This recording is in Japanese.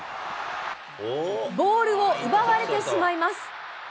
ボールを奪われてしまいます。